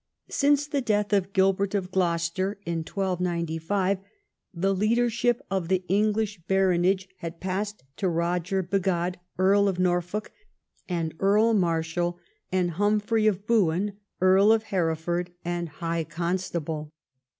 Since the death of Gilbert of Gloucester in 1295, the leadership of the English baronage had passed to Eoger Bigod, Earl of Norfolk and Earl Marshal, and Humphrey de Bohun, Earl of Hereford and High Constable.